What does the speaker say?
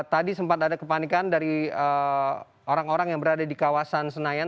tadi sempat ada kepanikan dari orang orang yang berada di kawasan senayan